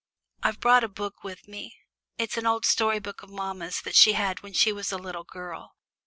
I've brought a book with me it's an old story book of mamma's that she had when she was a little girl.